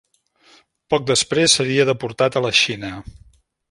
Poc després seria deportat a la Xina.